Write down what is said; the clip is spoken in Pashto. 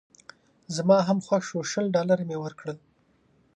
زما هم خوښ شو شل ډالره مې ورکړل.